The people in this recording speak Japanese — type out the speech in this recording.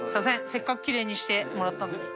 せっかくきれいにしてもらったのに。